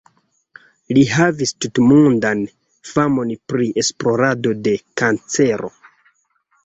Li havis tutmondan famon pri esplorado de kancero.